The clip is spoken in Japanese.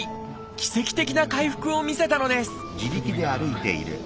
奇跡的な回復を見せたのですすごいなあ。